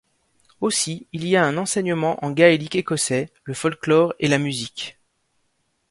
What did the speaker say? Aussi, il y a un enseignement en gaélique écossais, le folklore et la musique.